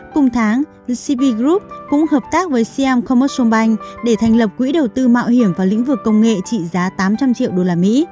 cùng tháng cp group cũng hợp tác với siam commercial bank để thành lập quỹ đầu tư mạo hiểm vào lĩnh vực công nghệ trị giá tám trăm linh triệu usd